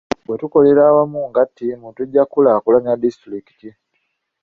Bwe tukolera awamu nga ttiimu tujja kukulaakulanya disitulikiti.